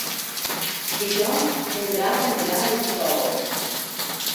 Dijous en Drac anirà a Isòvol.